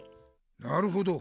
なるほど。